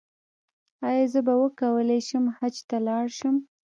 ایا زه به وکولی شم حج ته لاړ شم؟